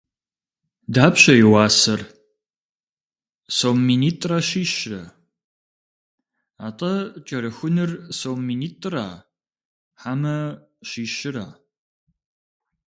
Дапщэ и уасэр? Сом минитӏрэ щищрэ. Атӏэ, кӏэрыхуныр сом минитӏра, хьэмэ щищра?